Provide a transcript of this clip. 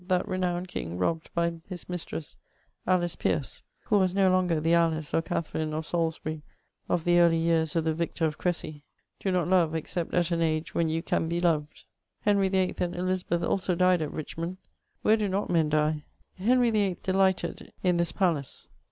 that renowned long robbea by his mistress, Alice Pearce, who was no longer the Alice or Catherine of Salisbuiy of the early years of the victor of Cressy ; do not lore except at an age when you can be loved. Henry VIII. and EUizabeth also died at Richmond; where do not men die ? Henry VIII. delighted in this palace.